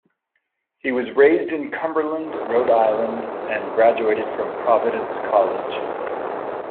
He was raised in Cumberland, Rhode Island and graduated from Providence College.